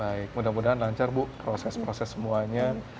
baik mudah mudahan lancar bu proses proses semuanya